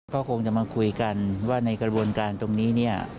ก็คงจะมาคุยกันว่าในกระบวนการตรงนี้เนี่ย